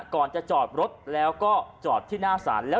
ก่อนจะจอดรถแล้วก็จอดที่หน้าศาล